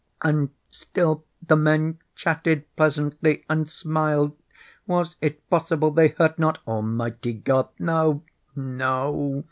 And still the men chatted pleasantly, and smiled. Was it possible they heard not? Almighty God!—no, no!